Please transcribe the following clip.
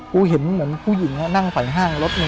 เห็นเหมือนผู้หญิงนั่งฝ่ายห้างรถเม